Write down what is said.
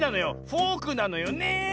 フォークなのよねえ。